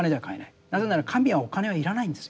なぜなら神はお金は要らないんですよ。